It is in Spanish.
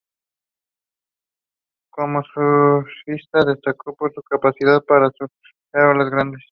Como surfista destacó por su capacidad para surfear olas grandes.